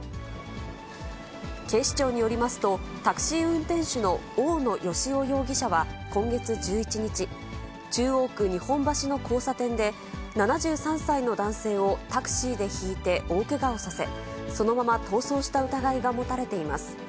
警視庁によりますと、タクシー運転手の多良雄容疑者は今月１１日、中央区日本橋の交差点で、７３歳の男性をタクシーでひいて大けがをさせ、そのまま逃走した疑いが持たれています。